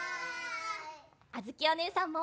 あづきおねえさんも！